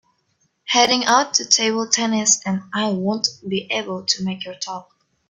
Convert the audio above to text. Heading out to table tennis and I won’t be able to make your talk.